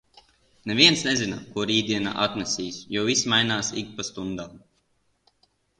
Neviens nezina, ko rītdiena atnesīs, jo viss mainās ik pa stundām...